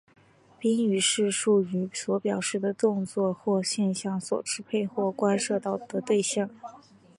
宾语是述语所表示的动作或现象所支配或关涉到的对象。